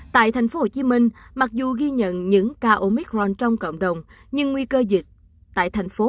tại tp hcm mặc dù ghi nhận những ca omicron trong cộng đồng nhưng nguy cơ dịch tại thành phố